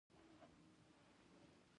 بدرنګه ذهن د ځان او نورو دښمن دی